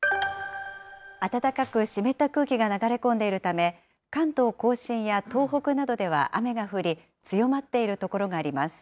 暖かく湿った空気が流れ込んでいるため、関東甲信や東北などでは雨が降り、強まっている所があります。